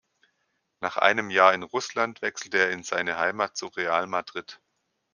Nach einem Jahr in Russland wechselte er in seine Heimat zu Real Madrid.